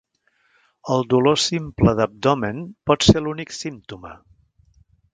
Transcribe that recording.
El dolor simple d'abdomen pot ser l'únic símptoma.